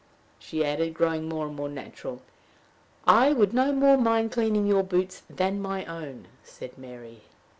she added, growing more and more natural. "I would no more mind cleaning your boots than my own," said Mary.